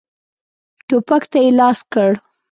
ټوپک ته یې لاس کړ.